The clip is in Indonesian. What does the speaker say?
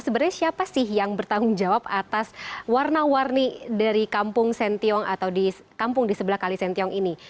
sebenarnya siapa sih yang bertanggung jawab atas warna warni dari kampung sentiong atau di kampung di sebelah kali sentiong ini